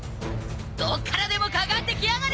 どっからでもかかってきやがれ！